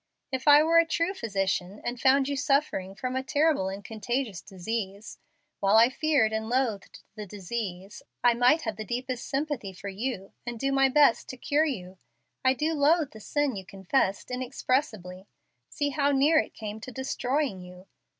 If I were a true physician, and found you suffering from a terrible and contagious disease, while I feared and loathed the disease, I might have the deepest sympathy for you and do my best to cure you. I do loathe the sin you confessed, inexpressibly. See how near it came to destroying you.